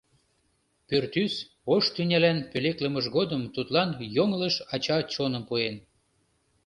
Пӱртӱс ош тӱнялан пӧлеклымыж годым тудлан йоҥылыш ача чоным пуэн.